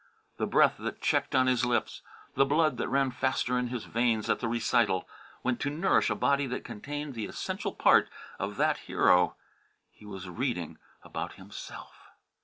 The breath that checked on his lips, the blood that ran faster in his veins at the recital, went to nourish a body that contained the essential part of that hero he was reading about himself!